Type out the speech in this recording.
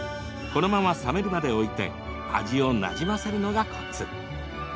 このまま冷めるまで置いて味をなじませるのがコツ。